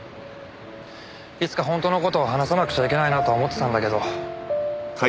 いつか本当の事を話さなくちゃいけないなとは思ってたんだけど。